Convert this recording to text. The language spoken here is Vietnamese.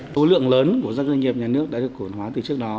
tố lượng lớn của các doanh nghiệp nhà nước đã được cổ phân hóa từ trước đó